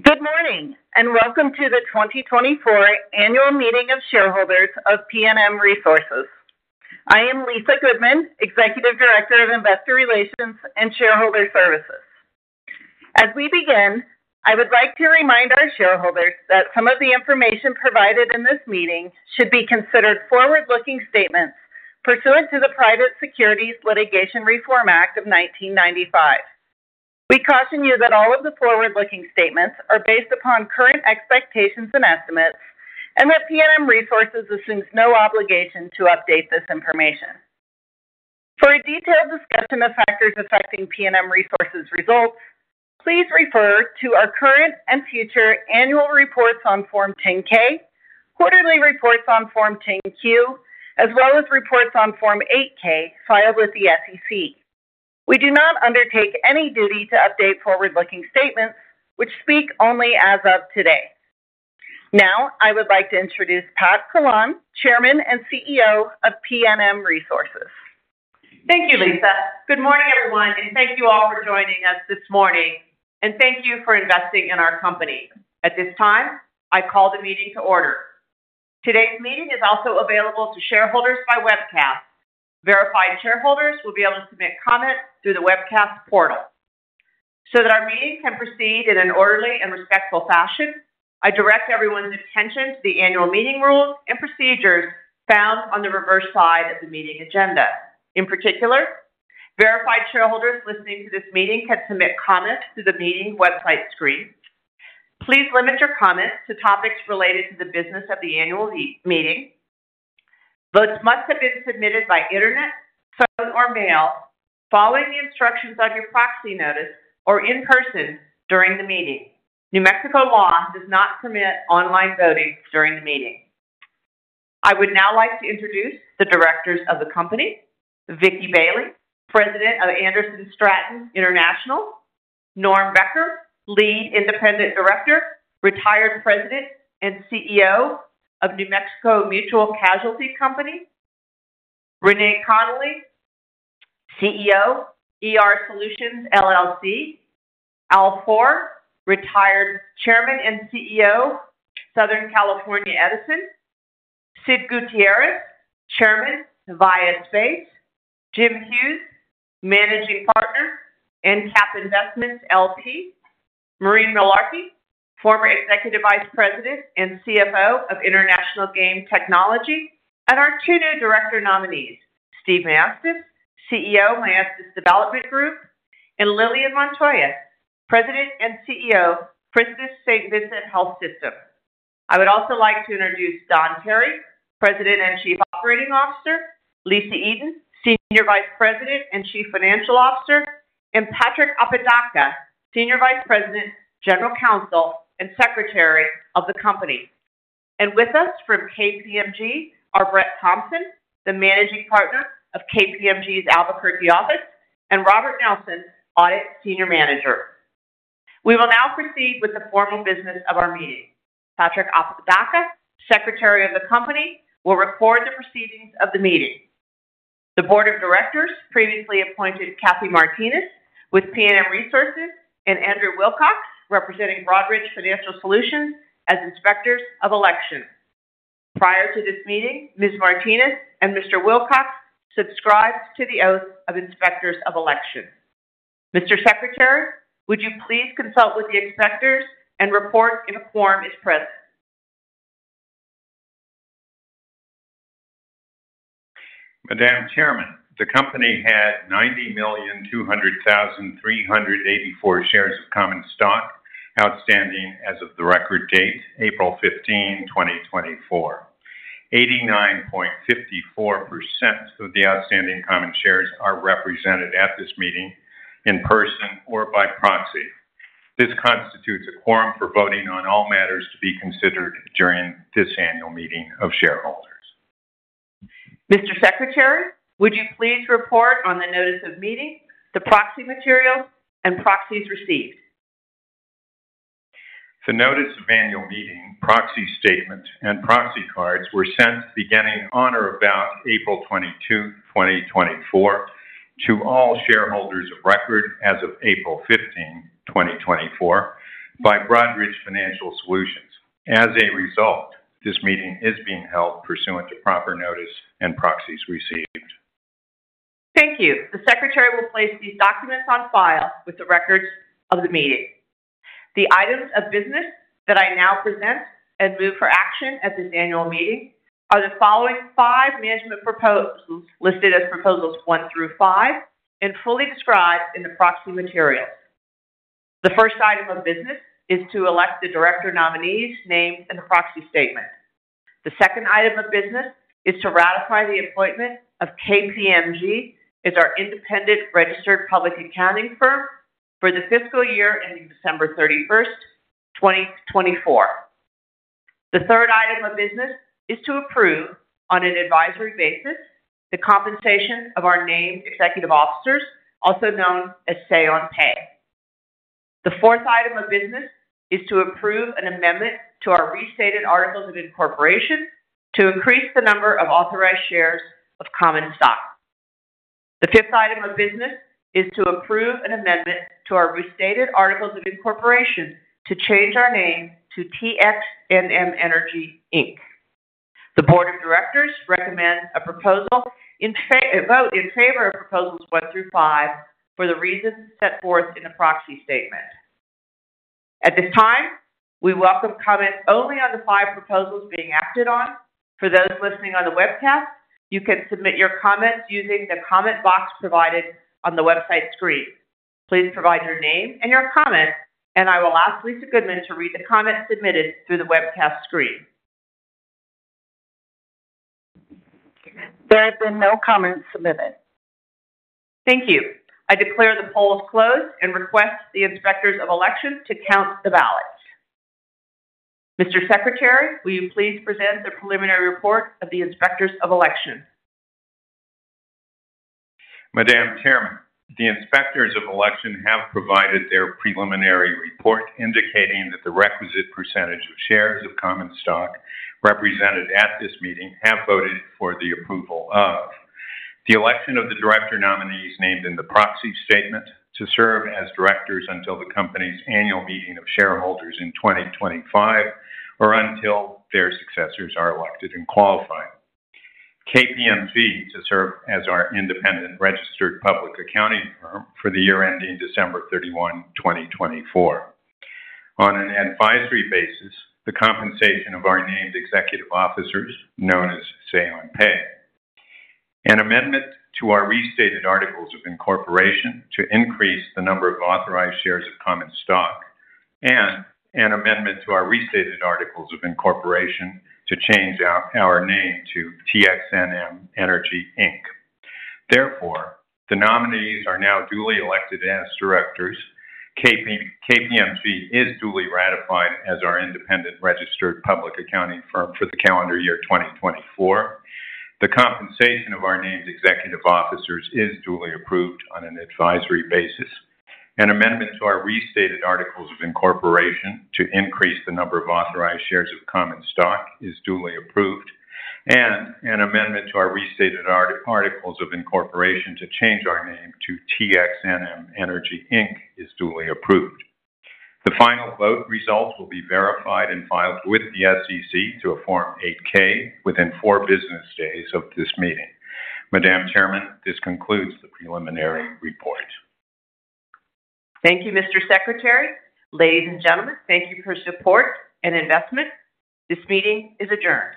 Good morning, and welcome to the 2024 Annual Meeting of Shareholders of PNM Resources. I am Lisa Goodman, Executive Director of Investor Relations and Shareholder Services. As we begin, I would like to remind our shareholders that some of the information provided in this meeting should be considered forward-looking statements pursuant to the Private Securities Litigation Reform Act of 1995. We caution you that all of the forward-looking statements are based upon current expectations and estimates and that PNM Resources assumes no obligation to update this information. For a detailed discussion of factors affecting PNM Resources results, please refer to our current and future annual reports on Form 10-K, quarterly reports on Form 10-Q, as well as reports on Form 8-K filed with the SEC. We do not undertake any duty to update forward-looking statements which speak only as of today. Now, I would like to introduce Pat Vincent-Collawn, Chairman and CEO of PNM Resources. Thank you, Lisa. Good morning, everyone, and thank you all for joining us this morning, and thank you for investing in our company. At this time, I call the meeting to order. Today's meeting is also available to shareholders by webcast. Verified shareholders will be able to submit comments through the webcast portal. So that our meeting can proceed in an orderly and respectful fashion, I direct everyone's attention to the annual meeting rules and procedures found on the reverse side of the meeting agenda. In particular, verified shareholders listening to this meeting can submit comments through the meeting website screen. Please limit your comments to topics related to the business of the annual meeting. Votes must have been submitted by internet, phone, or mail, following the instructions on your proxy notice or in person during the meeting. New Mexico law does not permit online voting during the meeting. I would now like to introduce the directors of the company, Vicky Bailey, President of Anderson Stratton International, Norm Becker, Lead Independent Director, Retired President and CEO of New Mexico Mutual Casualty Company, Renae Conley, CEO, ER Solutions, LLC, Alan Fohrer, Retired Chairman and CEO, Southern California Edison, Sidney Gutierrez, Chairman, Viaspace, James Hughes, Managing Partner, EnCap Investments, L.P., Maureen Mullarkey, Former Executive Vice President and CFO of International Game Technology, and our two new director nominees, Steven Maestas, CEO, Maestas Development Group, and Lillian Montoya, President and CEO, CHRISTUS St. Vincent Health System. I would also like to introduce Don Tarry, President and Chief Operating Officer, Lisa Eden, Senior Vice President and Chief Financial Officer, and Patrick Apodaca, Senior Vice President, General Counsel, and Secretary of the company. And with us from KPMG are Brett Thompson, the Managing Partner of KPMG's Albuquerque office, and Robert Nelson, Audit Senior Manager. We will now proceed with the formal business of our meeting. Patrick Apodaca, Secretary of the company, will record the proceedings of the meeting. The board of directors previously appointed Kathy Martinez with PNM Resources and Andrew Wilcox, representing Broadridge Financial Solutions, as inspectors of election. Prior to this meeting, Ms. Martinez and Mr. Wilcox subscribed to the oath of inspectors of election. Mr. Secretary, would you please consult with the inspectors and report if a quorum is present? Madam Chairman, the company had 90,200,384 shares of common stock outstanding as of the record date, April 15, 2024. 89.54% of the outstanding common shares are represented at this meeting in person or by proxy. This constitutes a quorum for voting on all matters to be considered during this annual meeting of shareholders. Mr. Secretary, would you please report on the notice of meeting, the proxy materials and proxies received? The notice of annual meeting, proxy statement, and proxy cards were sent beginning on or about April 22nd, 2024, to all shareholders of record as of April 15th, 2024, by Broadridge Financial Solutions. As a result, this meeting is being held pursuant to proper notice and proxies received. Thank you. The secretary will place these documents on file with the records of the meeting. The items of business that I now present and move for action at this annual meeting are the following five management proposals, listed as proposals one through five and fully described in the proxy material. The first item of business is to elect the director nominees named in the proxy statement. The second item of business is to ratify the appointment of KPMG as our independent registered public accounting firm for the fiscal year ending December 31st, 2024. The third item of business is to approve, on an advisory basis, the compensation of our named executive officers, also known as Say on Pay. The fourth item of business is to approve an amendment to our restated articles of incorporation to increase the number of authorized shares of common stock.... The fifth item of business is to approve an amendment to our restated articles of incorporation to change our name to TXNM Energy Inc. The board of directors recommend a vote in favor of proposals one through five for the reasons set forth in a proxy statement. At this time, we welcome comments only on the five proposals being acted on. For those listening on the webcast, you can submit your comments using the comment box provided on the website screen. Please provide your name and your comments, and I will ask Lisa Goodman to read the comments submitted through the webcast screen. There have been no comments submitted. Thank you. I declare the polls closed and request the inspectors of election to count the ballots. Mr. Secretary, will you please present the preliminary report of the inspectors of election? Madam Chairman, the inspectors of election have provided their preliminary report, indicating that the requisite percentage of shares of common stock represented at this meeting have voted for the approval of: the election of the director nominees named in the proxy statement to serve as directors until the company's annual meeting of shareholders in 2025, or until their successors are elected and qualified. KPMG to serve as our independent registered public accounting firm for the year ending December 31st, 2024. On an advisory basis, the compensation of our named executive officers, known as Say on Pay. An amendment to our restated articles of incorporation to increase the number of authorized shares of common stock, and an amendment to our restated articles of incorporation to change out our name to TXNM Energy Inc. Therefore, the nominees are now duly elected as directors. KPMG is duly ratified as our independent registered public accounting firm for the calendar year 2024. The compensation of our named executive officers is duly approved on an advisory basis. An amendment to our restated articles of incorporation to increase the number of authorized shares of common stock is duly approved, and an amendment to our restated articles of incorporation to change our name to TXNM Energy Inc. is duly approved. The final vote results will be verified and filed with the SEC on a Form 8-K within four business days of this meeting. Madam Chairman, this concludes the preliminary report. Thank you, Mr. Secretary. Ladies and gentlemen, thank you for your support and investment. This meeting is adjourned.